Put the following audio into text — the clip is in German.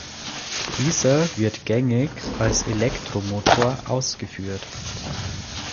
Dieser wird gängig als Elektromotor ausgeführt.